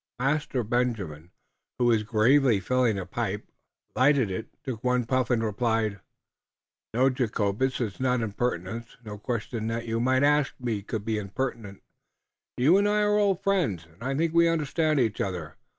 Master Benjamin, who was gravely filling a pipe, lighted it, took one puff, and replied: "No, Jacobus, it is no impertinence. No question that you might ask me could be an impertinence. You and I are old friends, and I think we understand each other.